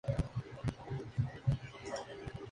El director de la compañía es Yevgeny Dod.